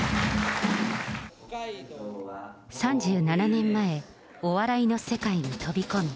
３７年前、お笑いの世界に飛び込み。